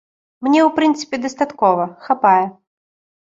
Мне ў прынцыпе дастаткова, хапае.